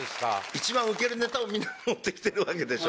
一番ウケるネタをみんな持ってきてるわけでしょ。